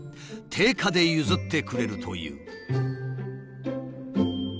定価で譲ってくれるという。